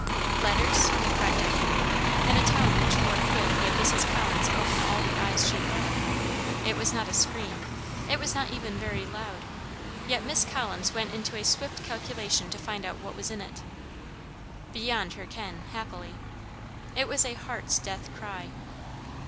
"Letters!" cried Diana, in a tone which forthwith made Miss Collins open all the eyes she had. It was not a scream; it was not even very loud; yet Miss Collins went into a swift calculation to find out what was in it. Beyond her ken, happily; it was a heart's death cry.